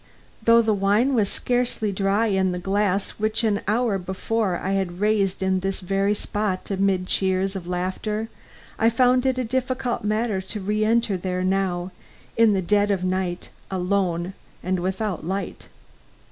Though the wine was scarcely dry in the glass which an hour before I had raised in this very spot amid cheers and laughter, I found it a difficult matter to reënter there now, in the dead of night, alone and without light.